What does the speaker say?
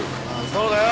そうだよ。